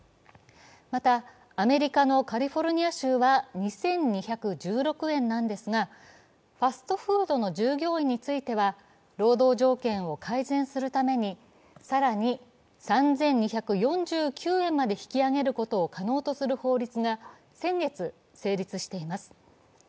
また、アメリカのカリフォルニア州は２２１６円なんですがファストフードの従業員については労働条件を改善するために更に３２４９円まで引き上げることを可能とする法律が先月、成立しています。